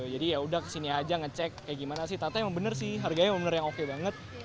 jadi yaudah kesini aja ngecek kayak gimana sih tata emang bener sih harganya emang bener yang oke banget